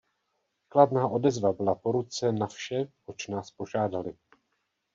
Kladná odezva byla po ruce na vše, oč nás požádali.